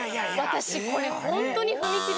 私これホントに踏切。